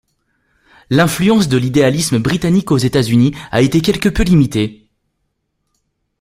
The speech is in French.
L'influence de l'idéalisme britannique aux États-Unis a été quelque peu limitée.